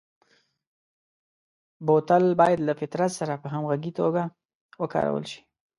بوتل باید له فطرت سره په همغږي توګه وکارول شي.